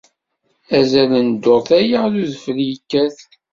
Azal n ddurt aya d udfel yekkat.